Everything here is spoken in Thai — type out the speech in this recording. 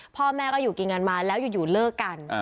พ่อแม่ก็อยู่กินกันมาแล้วอยู่เลิกกัน